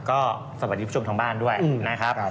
ก็สวัสดีผู้ชมทางบ้านด้วยนะครับ